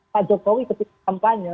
pak jokowi ketika kampanye